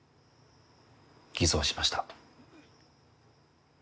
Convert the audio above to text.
偽造しました。